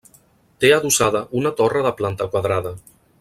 Té adossada una torre de planta quadrada.